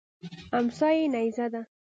امسا یې نیزه ده.